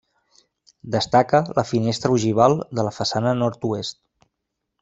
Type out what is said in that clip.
Destaca la finestra ogival de la façana nord-oest.